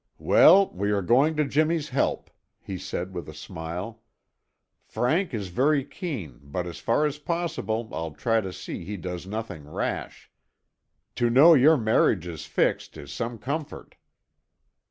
"Well, we are going to Jimmy's help," he said with a smile. "Frank is very keen, but as far as possible I'll try to see he does nothing rash. To know your marriage is fixed is some comfort."